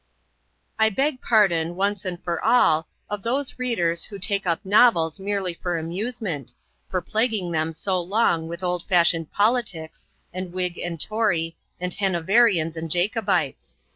I beg pardon, once and for all, of those readers who take up novels merely for amusement, for plaguing them so long with old fashioned politics, and Whig and Tory, and Hanoverians and Jacobites.